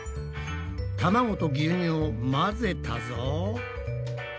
たまごと牛乳を混ぜたぞ。